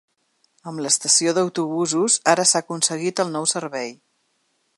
Amb la estació d’autobusos ara s’ha aconseguit el nou servei.